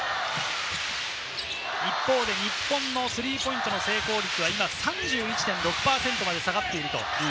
一方で、日本のスリーポイントの成功率は３１．６％まで下がっています。